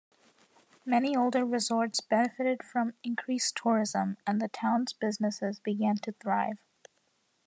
Many older resorts benefited from increased tourism, and the town's businesses began to thrive.